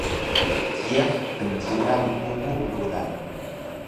Jiyax pncingan bubu rudan